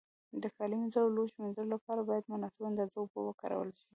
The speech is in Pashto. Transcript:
د کالي مینځلو او لوښو مینځلو له پاره باید مناسبه اندازه اوبو وکارول شي.